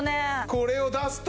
これを出すと。